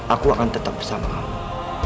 aku akan tetap bersama allah